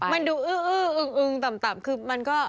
มันดูอื้ออึงต่ำคือมันก็